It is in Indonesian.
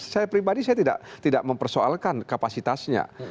saya pribadi saya tidak mempersoalkan kapasitasnya